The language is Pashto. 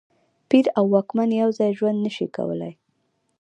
پیر او واکمن یو ځای ژوند نه شي کولای.